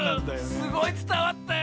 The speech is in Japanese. すごいつたわったよ。